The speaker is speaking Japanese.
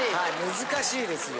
難しいですよ。